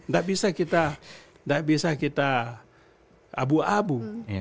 nggak bisa kita abu abu